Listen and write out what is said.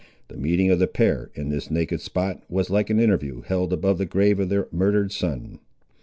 The meeting of the pair, in this naked spot, was like an interview held above the grave of their murdered son.